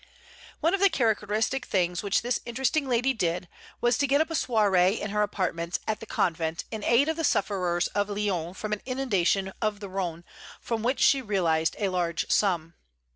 One of the characteristic things which this interesting lady did, was to get up a soiree in her apartments at the convent in aid of the sufferers of Lyons from an inundation of the Rhône, from which she realized a large sum.